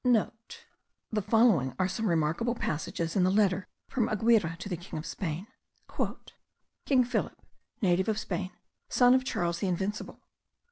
*(* The following are some remarkable passages in the letter from Aguirre to the king of Spain. "King Philip, native of Spain, son of Charles the Invincible!